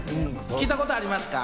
聞いたことありますか？